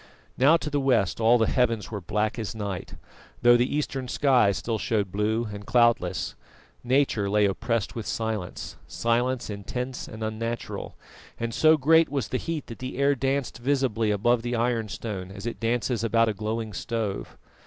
Now to the west all the heavens were black as night, though the eastern sky still showed blue and cloudless. Nature lay oppressed with silence silence intense and unnatural; and so great was the heat that the air danced visibly above the ironstone as it dances about a glowing stove.